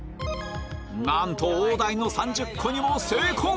なんと大台の３０個にも成功！